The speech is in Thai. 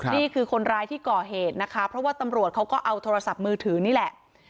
นี่คือคนร้ายที่ก่อเหตุนะคะเพราะว่าตำรวจเขาก็เอาโทรศัพท์มือถือนี่แหละ